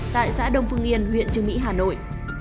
tại xã đông phương yên huyện trương mỹ hà nội